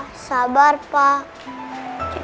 pak sabar pak